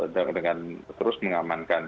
dengan terus mengamankan